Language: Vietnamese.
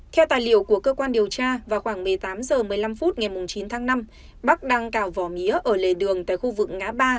theo tài liệu của cơ quan điều tra vào khoảng một mươi tám h một mươi năm phút ngày chín tháng năm bắc đang cào vỏ mía ở lề đường tại khu vực ngã ba